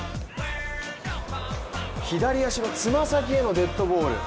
左足の爪先へのデッドボール。